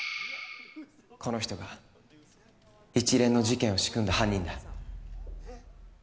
この人が一連の事件を仕組んだ犯人だ。